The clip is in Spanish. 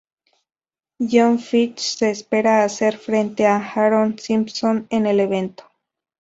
Jon Fitch se espera hacer frente a Aaron Simpson en el evento.